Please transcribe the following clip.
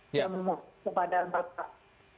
saya memohon kepada bapak